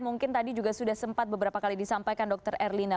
mungkin tadi juga sudah sempat beberapa kali disampaikan dr erlina